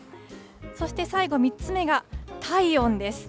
そして最後、３つ目が体温です。